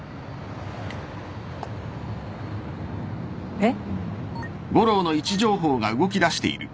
えっ？